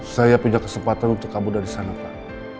saya punya kesempatan untuk kabur dari sana pak